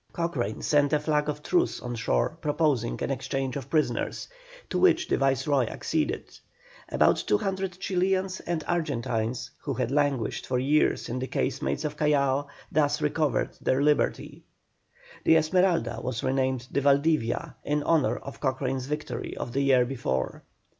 Cochrane sent a flag of truce on shore proposing an exchange of prisoners, to which the Viceroy acceded. About 200 Chilians and Argentines, who had languished for years in the casemates of Callao, thus recovered their liberty. The Esmeralda was renamed the Valdivia, in honour of Cochrane's victory of the year before.